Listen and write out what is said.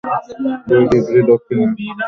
দুই ডিগ্রী দক্ষীণে।